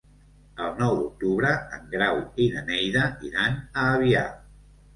El nou d'octubre en Grau i na Neida iran a Avià.